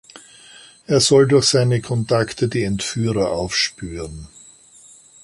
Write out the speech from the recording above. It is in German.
Er soll durch seine Kontakte die Entführer aufspüren.